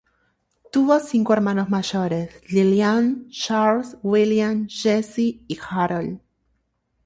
Tuvo cinco hermanos mayores: Lillian, Charles, William, Jessie, y Harold.